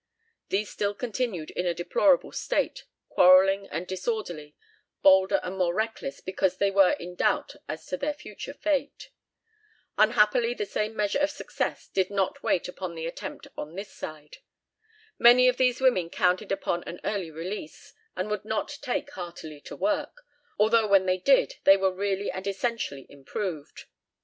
These still continued in a deplorable state, quarrelling and disorderly, bolder and more reckless because they were in doubt as to their future fate. Unhappily the same measure of success did not wait upon the attempt on this side. Many of these women counted upon an early release, and would not take heartily to work, although when they did they were "really and essentially improved."